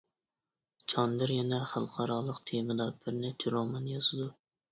چاندىر يەنە خەلقئارالىق تېمىدا بىر نەچچە رومان يازىدۇ.